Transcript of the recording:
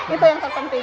itu yang terpenting